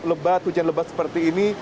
lebat hujan lebat seperti ini